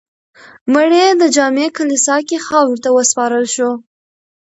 مړی یې د جامع کلیسا کې خاورو ته وسپارل شو.